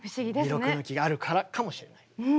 二六抜きがあるからかもしれない。